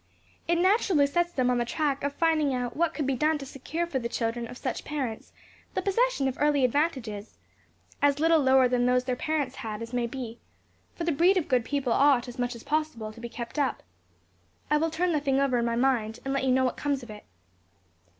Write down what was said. It naturally sets them on the track of finding out what could be done to secure for the children of such parents the possession of early advantages as little lower than those their parents had as may be; for the breed of good people ought, as much as possible, to be kept up. I will turn the thing over in my mind, and let you know what comes of it."